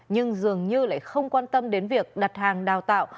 nhưng dường như lại không quan tâm đến việc đặt hàng đào tạo